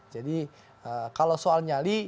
jadi kalau soal nyali